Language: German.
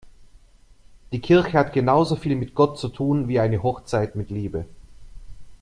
Die Kirche hat genauso viel mit Gott zu tun wie eine Hochzeit mit Liebe.